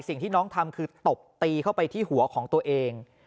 สิ่งที่น้องทำคือตบตีเข้าไปที่หัวของตัวเอง